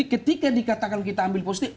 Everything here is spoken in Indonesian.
ketika dikatakan kita ambil positif